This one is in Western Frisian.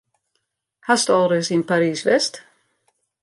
Hast al ris yn Parys west?